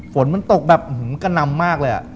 ฝนมันตกแบบกระนำมากเลย